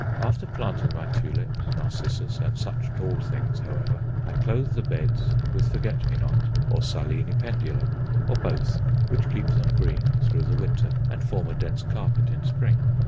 After planting my tulips, narcissus, and such tall things, however, I clothe the beds with forget me not or Silene pendula, or both, which keep them green through the winter and form a dense carpet in spring.